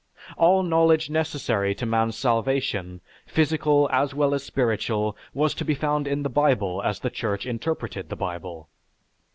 All knowledge necessary to man's salvation, physical as well as spiritual, was to be found in the Bible as the Church interpreted the Bible.